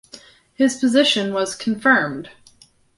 His position was confirmed.